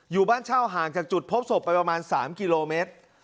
อยู่บ้านเช่าห่างจากจุดพบศพไปประมาณ๓กิโลเมตร